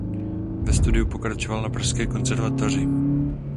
Ve studiu pokračoval na Pražské konzervatoři.